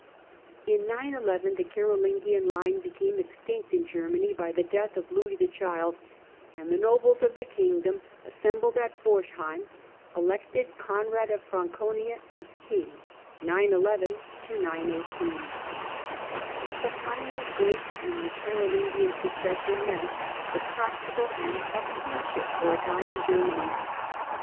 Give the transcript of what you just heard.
In 911 the Carolingian line became extinct in Ger many by the death of Louis the Child, and the nobles of the kingdom, assembled at Forchheim, elected Conrad of Franconia as king. But the final break in the Caro lingian succession meant the practical end of kingship, for a time, in Germany.